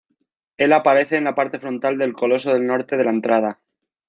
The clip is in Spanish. Él aparece en la parte frontal del coloso del norte de la entrada.